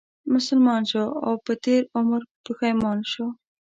مسلمان شو او په تېر عمر پښېمان شو